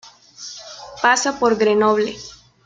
Pasa por Grenoble.